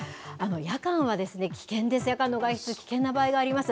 夜間は危険です、夜間の外出、危険な場合があります。